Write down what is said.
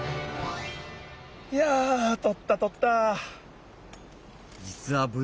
いやとったとった！